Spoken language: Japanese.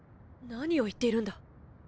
何を言っているんだ。